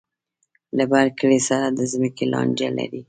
له بر کلي سره د ځمکې لانجه لري.